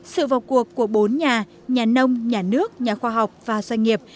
sự vào cuộc của bốn nhà nhà nông nhà nước nhà khoa học và doanh nghiệp